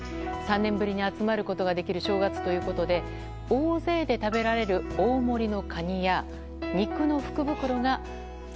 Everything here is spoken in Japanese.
３年ぶりに集まることができる正月ということで大勢で食べられる大盛りのカニや肉の福袋が。